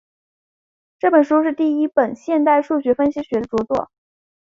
这本书是第一本现代数学分析学着作。